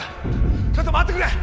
ちょっと待ってくれ！